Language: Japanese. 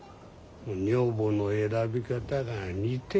女房の選び方が似てる。